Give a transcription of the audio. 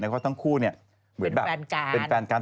เพราะว่าทั้งคู่เป็นแฟนกัน